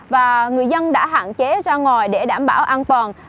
và người dân đã hạn chế ra ngoài để đảm bảo an toàn